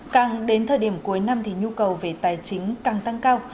càng đến thời điểm cuối năm thì nhu cầu về tài chính càng tăng cao